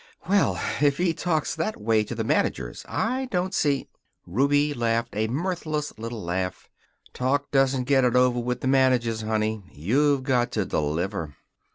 "Well! If he talks that way to the managers I don't see " Ruby laughed a mirthless little laugh. "Talk doesn't get it over with the managers, honey. You've got to deliver."